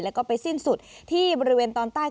แล้วก็ไปสิ้นสุดที่บริเวณตอนใต้